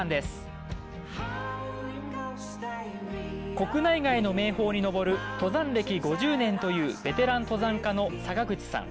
国内外の名峰に登る登山歴５０年というベテラン登山家の坂口さん。